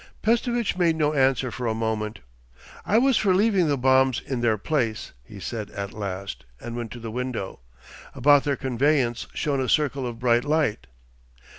Pestovitch made no answer for a moment. 'I was for leaving the bombs in their place,' he said at last, and went to the window. About their conveyance shone a circle of bright light.